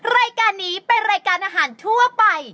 รายการนี้เป็นรายการอาหารทั่วไป